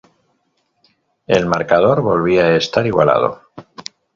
El marcador volvía a estar igualado.